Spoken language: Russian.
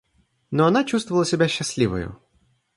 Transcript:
Но она чувствовала себя счастливою.